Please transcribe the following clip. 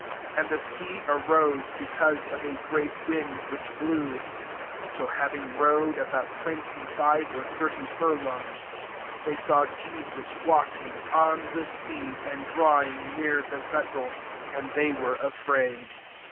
18 And the sea arose, because of a great wind which blew. 19 So having rowed about twenty five or thirty furlongs, they saw Je sus walking on th^ sea, and ditawing near the vessel: and they were afraid.